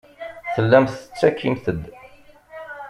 Tellamt tettakimt-d.